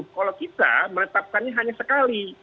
kalau kita menetapkannya hanya sekali